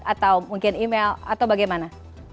atau mungkin email atau bagaimana